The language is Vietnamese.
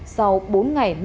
sau bốn ngày năm